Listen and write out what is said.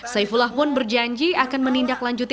saifullah pun berjanji akan menindaklanjuti